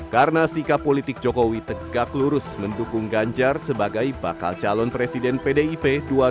karena sikap politik jokowi tegak lurus mendukung ganjar sebagai bakal calon presiden pdip dua ribu sembilan belas